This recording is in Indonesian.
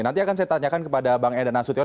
nanti akan saya tanyakan kepada bang enda nasution